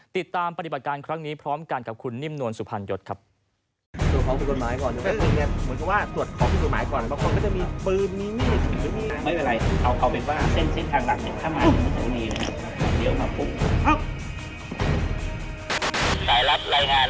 ติดตามปฏิบัติการครั้งนี้พร้อมกันกับคุณนิ่มนวลสุพรรณยศครับ